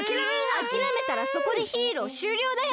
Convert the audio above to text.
あきらめたらそこでヒーローしゅうりょうだよ！